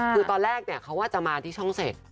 คือตอนแรกเขาว่าจะมาที่ช่องเสร็จ